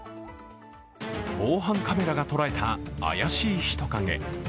防犯カメラが捉えた怪しい人影。